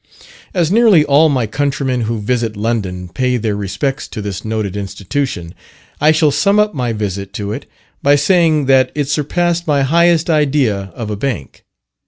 As nearly all my countrymen who visit London pay their respects to this noted institution, I shall sum up my visit to it, by saying that it surpassed my highest idea of a bank.